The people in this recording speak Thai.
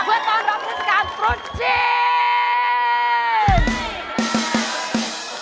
เพื่อต้อนรับเจษฐการฟรุ่นจีน